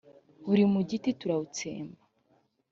buri mugi turawutsemba